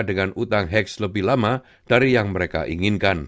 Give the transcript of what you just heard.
dengan utang heax lebih lama dari yang mereka inginkan